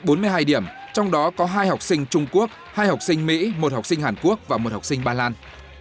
trong bốn mươi hai điểm trong đó có hai học sinh trung quốc hai học sinh mỹ một học sinh hàn quốc và một học sinh ba lan